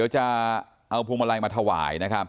จะเอาพวงมาลัยมาถาวาย